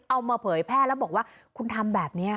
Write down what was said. เอามาเผยแพร่แล้วบอกว่าคุณทำแบบนี้